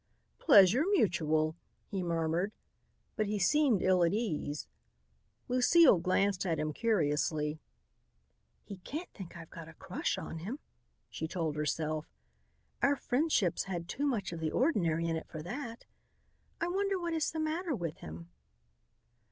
"Pleasure mutual," he murmured, but he seemed ill at ease. Lucile glanced at him curiously. "He can't think I've got a crush on him," she told herself. "Our friendship's had too much of the ordinary in it for that. I wonder what is the matter with him."